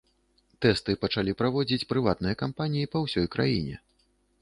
Тэсты пачалі праводзіць прыватныя кампаніі па ўсёй краіне.